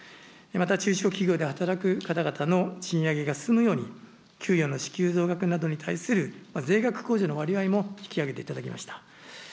また中小企業で働く方々の賃上げが進むように給与の支給増額など税額控除の割合も引き上げていただきました。